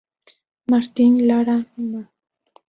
Martín Lara, Mª.